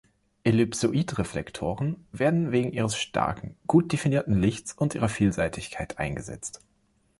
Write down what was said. Ellipsoidreflektoren werden wegen ihres starken, gut definierten Lichts und ihrer Vielseitigkeit eingesetzt.